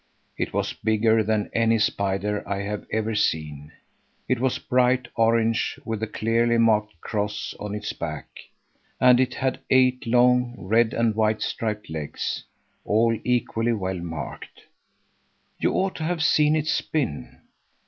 It was bigger than any spider I have ever seen; it was bright orange with a clearly marked cross on its back, and it had eight long, red and white striped legs, all equally well marked. You ought to have seen it spin!